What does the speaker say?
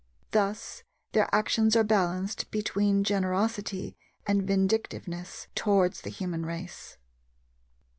Thus their actions are balanced between generosity and vindictiveness towards the human race.